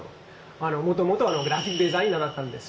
あのもともとグラフィックデザイナーだったんです。